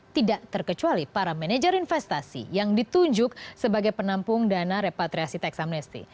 tidak terkecuali para manajer investasi yang ditunjuk sebagai penampung dana repatriasi teks amnesti